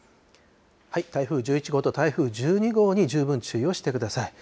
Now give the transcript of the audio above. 台風１１号と台風１２号に十分注意をしてください。